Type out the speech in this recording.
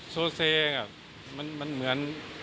โซเซมันเหมือน